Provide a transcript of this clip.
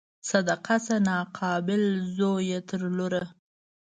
صدقه شه ناقابل زویه تر لوره